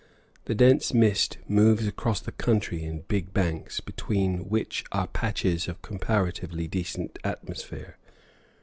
The dense mist moves across the country in big banks, between which are patches of comparatively decent atmosphere.